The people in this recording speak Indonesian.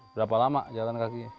berapa lama jalan kaki